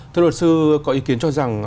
thưa luật sư có ý kiến cho rằng